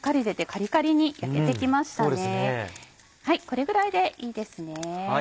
これぐらいでいいですね。